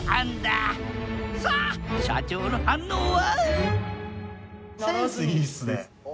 さあ社長の反応は？